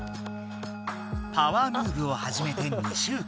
パワームーブをはじめて２週間。